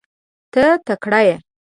ته تکړه یې .